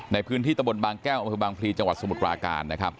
ในพื้นที่ตะบนบางแก้วบางพรีจังหวัดสมุทรปราการ